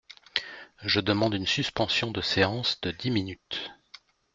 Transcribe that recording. Je demande une suspension de séance de dix minutes.